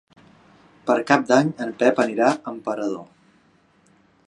Per Cap d'Any en Pep anirà a Emperador.